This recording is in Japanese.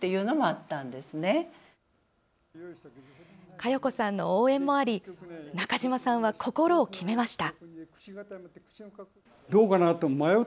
佳代子さんの応援もあり中島さんは、心を決めました。